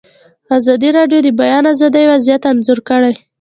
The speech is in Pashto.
ازادي راډیو د د بیان آزادي وضعیت انځور کړی.